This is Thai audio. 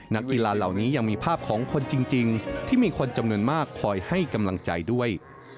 นักกีฬาเหล่านี้ยังมีภาพของคนจริงที่มีคนจำนวนมากคอยให้กำลังใจด้วย